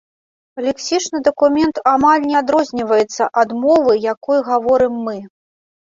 Лексічна дакумент амаль не адрозніваецца ад мовы, якой гаворым мы.